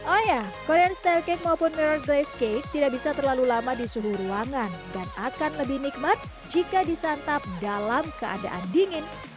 oh ya korean staycake maupun mirror grace cake tidak bisa terlalu lama di suhu ruangan dan akan lebih nikmat jika disantap dalam keadaan dingin